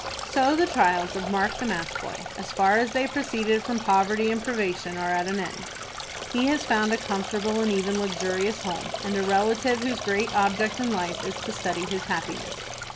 So the trials of Mark, the Match Boy, as far as they proceeded from poverty and privation, are at an end. He has found a comfortable and even luxurious home, and a relative whose great object in life is to study his happiness.